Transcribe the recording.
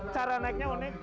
cara naiknya unik